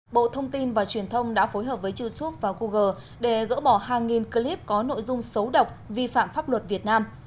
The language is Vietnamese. bộ thông tin và truyền thông đã phối hợp với youtube và google để gỡ bỏ hàng nghìn clip có nội dung xấu độc vi phạm pháp luật việt nam